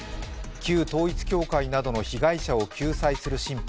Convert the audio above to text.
旧統一教会などの被害者を救済する新法。